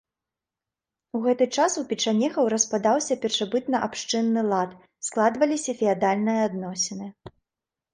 У гэты час у печанегаў распадаўся першабытнаабшчынны лад, складваліся феадальныя адносіны.